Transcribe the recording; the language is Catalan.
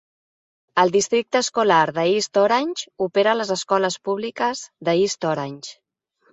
El Districte Escolar de East Orange opera les escoles públiques de East Orange.